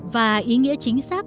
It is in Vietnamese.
và ý nghĩa chính xác